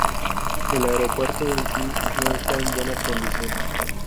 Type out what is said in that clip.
El aeropuerto en sí no está en buenas condiciones.